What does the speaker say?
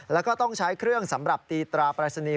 แล้วก็ต้องใช้เครื่องสำหรับตีตราปรายศนีย์